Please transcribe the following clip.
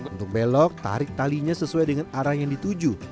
untuk belok tarik talinya sesuai dengan arah yang dituju